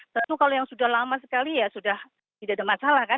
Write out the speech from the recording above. tentu kalau yang sudah lama sekali ya sudah tidak ada masalah kan